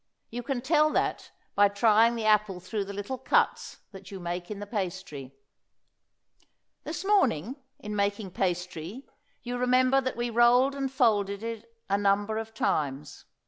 You can tell that by trying the apple through the little cuts that you make in the pastry. This morning, in making pastry, you remember that we rolled and folded it a number of times.